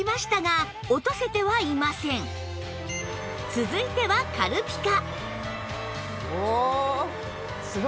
続いては軽ピカ